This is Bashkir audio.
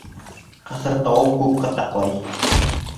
Ҡыҫыр тауыҡ күп ҡытаҡлай.